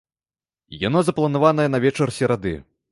Яно запланаванае на вечар серады.